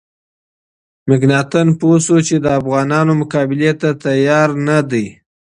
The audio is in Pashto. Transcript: مکناتن پوه شو چې د افغانانو مقابلې ته تیار نه دی.